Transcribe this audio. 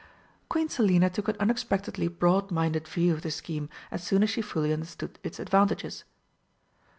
Queen Selina took an unexpectedly broad minded view of the scheme as soon as she fully understood its advantages.